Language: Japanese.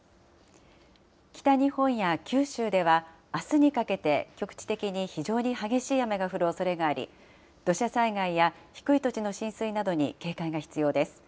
北日本や九州では、あすにかけて局地的に非常に激しい雨が降るおそれがあり、土砂災害や低い土地の浸水などに警戒が必要です。